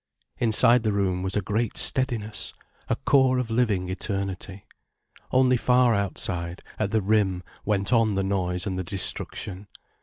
Inside the room was a great steadiness, a core of living eternity. Only far outside, at the rim, went on the noise and the destruction.